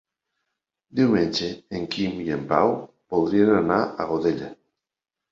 Diumenge en Quim i en Pau voldrien anar a Godella.